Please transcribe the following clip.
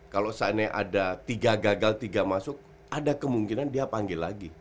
kalau seandainya ada tiga gagal tiga masuk ada kemungkinan dia panggil lagi